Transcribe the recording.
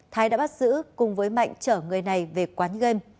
thái đã bắt giữ cùng với mạnh chở người này về quán game